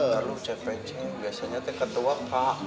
nanti lu cpc biasanya teh ketua kak